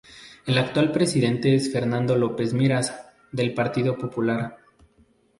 El actual presidente es Fernando López Miras, del Partido Popular.